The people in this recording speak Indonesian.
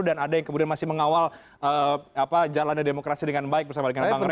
dan ada yang kemudian masih mengawal jalan dan demokrasi dengan baik bersama dengan bang rai